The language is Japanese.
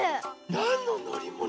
なんののりもの？